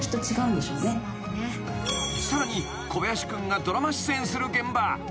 ［さらに小林君がドラマ出演する現場］